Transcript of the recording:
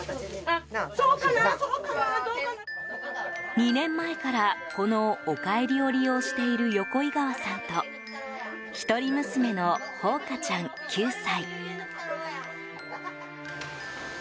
２年前からこの、おかえりを利用している横井川さんと一人娘の法華ちゃん、９歳。